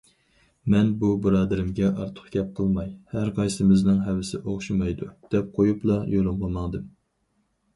مەن بۇ بۇرادىرىمگە ئارتۇق گەپ قىلماي‹‹ ھەرقايسىمىزنىڭ ھەۋىسى ئوخشىمايدۇ›› دەپ قويۇپلا يولۇمغا ماڭدىم.